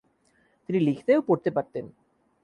তিনি লিখতে ও পড়তে পারতেন।